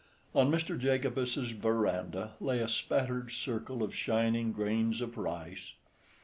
On Mr. Jacobus's veranda lay a spattered circle of shining grains of rice.